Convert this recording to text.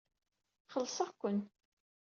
Xellṣeɣ-ken.